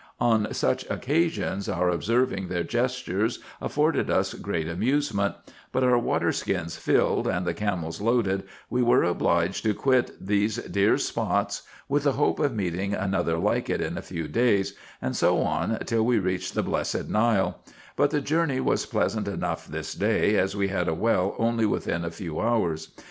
On such occasions, our observing their gestures afforded us great amusement : but, our water skins filled, and the camels loaded, we were obliged to quit these dear spots, with the hope of meeting another like it in a few days, and so on till we reached the blessed Nile ; but the journey was pleasant enough this day, as we had a well only within a few hours.